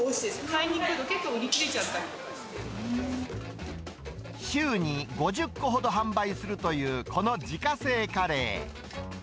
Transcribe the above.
買いにくると、結構、週に５０個ほど販売するというこの自家製カレー。